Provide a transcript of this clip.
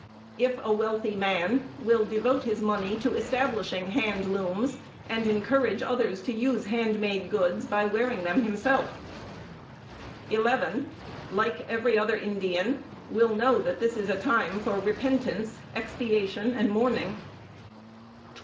if a wealthy man, will devote his money to establishing hand looms, and encourage others to use hand made goods by wearing them himself; 11. like every other Indian, will know that this is a time for repentance, expiation and mourning; 12.